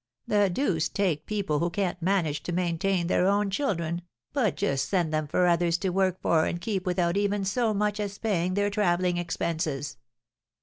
The deuce take people who can't manage to maintain their own children, but just send them for others to work for and keep without even so much as paying their travelling expenses!'